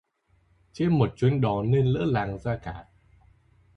Trễ một chuyến đò nên lỡ làng ra cả